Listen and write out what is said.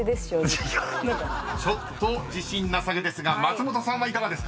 ［ちょっと自信なさげですが松本さんはいかがですか？］